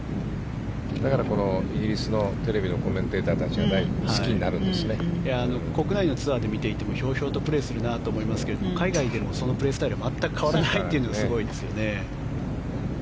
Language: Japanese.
だからこのイギリスのテレビのコメンテーターたちが国内のツアーで見ていてもひょうひょうとプレーするなと思いますが海外でもそのプレースタイルが全く変わらないというのがすごいですよね。